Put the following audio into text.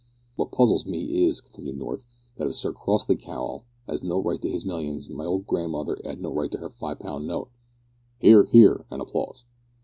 "What puzzles me is," continued North, "that if Sir Crossly Cowel 'as no right to 'is millions, my old grandmother 'ad no right to 'er fi' pun note!" ("Hear, hear," and applause.)